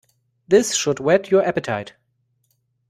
This should whet your appetite.